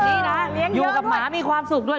เลี้ยงเยอะด้วยอยู่กับหมามีความสุขด้วย